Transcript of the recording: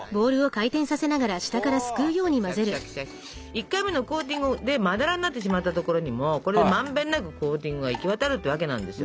１回目のコーティングでまだらになってしまった所にもこれでまんべんなくコーティングが行き渡るってわけなんですよ。